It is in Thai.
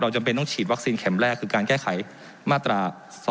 จำเป็นต้องฉีดวัคซีนเข็มแรกคือการแก้ไขมาตรา๒๕๖